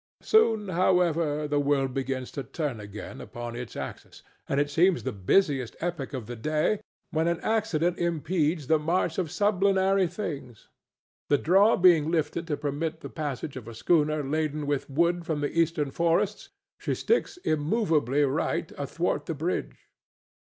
Soon, however, the world begins to turn again upon its axis, and it seems the busiest epoch of the day, when an accident impedes the march of sublunary things. The draw being lifted to permit the passage of a schooner laden with wood from the Eastern forests, she sticks immovably right athwart the bridge.